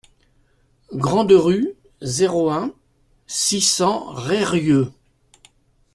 Grande Rue, zéro un, six cents Reyrieux